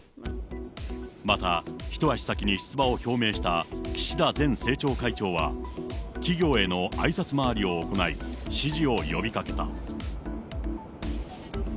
また、一足先に出馬を表明した岸田前政調会長は、企業へのあいさつ回りを行い、支持を呼びかけた。